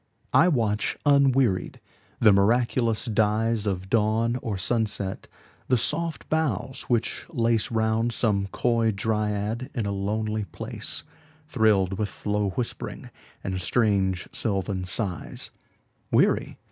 I watch, unwearied, the miraculous dyesOf dawn or sunset; the soft boughs which laceRound some coy dryad in a lonely place, Thrilled with low whispering and strange sylvan sighs:Weary?